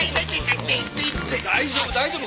大丈夫大丈夫。